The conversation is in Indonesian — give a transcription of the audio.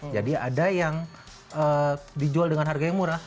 jadi ada yang dijual dengan harga yang murah